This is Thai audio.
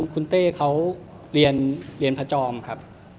คุณเต้เขาเรียนพระจอมครับ